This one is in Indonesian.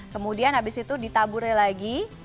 kemudian habis itu ditaburi lagi